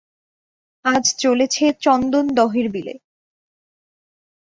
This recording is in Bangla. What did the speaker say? আজ চলেছে চন্দনদহের বিলে।